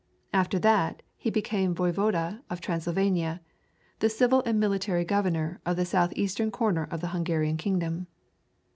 After that he became Voyvode of Transylvania, the civil and military governor of the southeastern corner of the Hungarian kingdom.